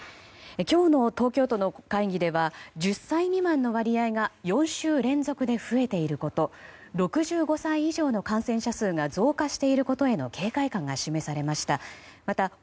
今日の東京都の会議では１０歳未満の割合が４週連続で増えていること６５歳以上の感染者数が増加していることへの警戒感が示されました。